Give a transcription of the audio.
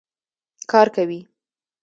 کار کوي.